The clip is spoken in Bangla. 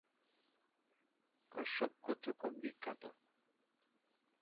কশ্যপ গোত্র খুব বিখ্যাত।